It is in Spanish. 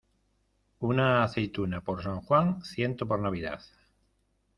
Una aceituna por San Juan, ciento por Navidad.